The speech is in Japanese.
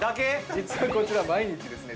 ◆実はこちら、毎日ですね